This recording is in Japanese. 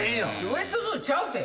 ウエットスーツちゃうて！